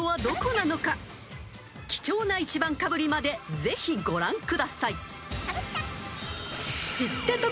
［貴重な１番かぶりまでぜひご覧ください］